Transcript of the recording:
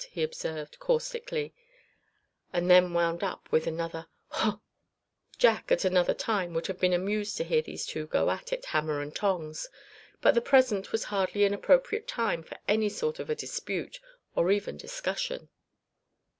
he observed, caustically, and then wound up with another "Huh!" Jack at another time would have been amused to hear these two go at it, hammer and tongs; but the present was hardly an appropriate time for any sort of a dispute or even discussion.